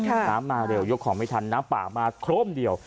น้ำมาเร็วยกของไม่ทันน้ำป่ามาโครมเดียว